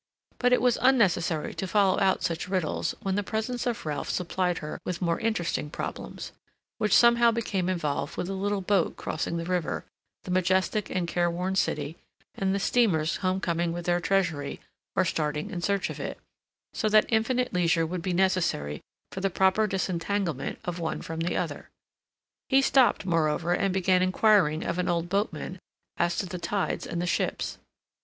But it was unnecessary to follow out such riddles when the presence of Ralph supplied her with more interesting problems, which somehow became involved with the little boat crossing the river, the majestic and careworn City, and the steamers homecoming with their treasury, or starting in search of it, so that infinite leisure would be necessary for the proper disentanglement of one from the other. He stopped, moreover, and began inquiring of an old boatman as to the tides and the ships.